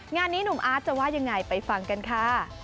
งานนี้หนุ่มอาร์ตจะว่ายังไงไปฟังกันค่ะ